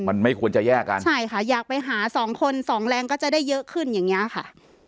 มันไม่ควรจะแยกกันใช่ค่ะอยากไปหาสองคนสองแรงก็จะได้เยอะขึ้นอย่างเงี้ยค่ะ